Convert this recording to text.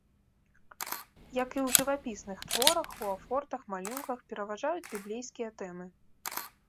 Як і ў жывапісных творах, у афортах, малюнках пераважаюць біблейскія тэмы.